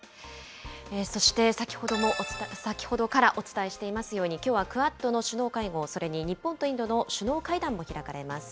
そして、先ほどからお伝えしていますように、きょうはクアッドの首脳会合、それに日本とインドの首脳会談も開かれます。